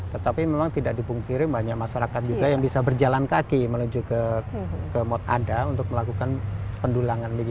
tetapi memang tidak dipungkiri banyak masyarakat juga yang bisa berjalan kaki menuju ke mot ada untuk melakukan pendulangan